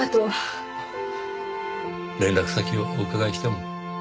連絡先をお伺いしても？